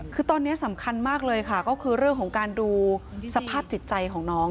คือตอนนี้สำคัญมากเลยค่ะก็คือเรื่องของการดูสภาพจิตใจของน้อง